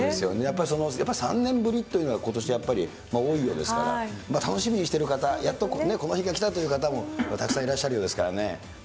やっぱり３年ぶりというのが、ことしやっぱり、多いようですから、楽しみにしている方、やっとこの日が来たという方も、たくさんいらっしゃるようですからね。